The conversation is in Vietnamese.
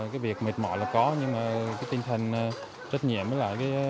cái việc mệt mỏi là có nhưng mà cái tinh thần trách nhiệm là